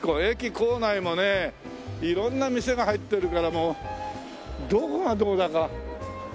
駅構内もね色んな店が入ってるからもうどこがどうだか。